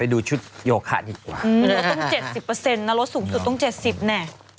ไปดูชุดโยคะดีกว่าต้องเจ็ดสิบเปอร์เซ็นต์รถสูงสุดต้องเจ็ดสิบน่ะ